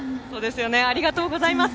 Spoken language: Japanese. ありがとうございます。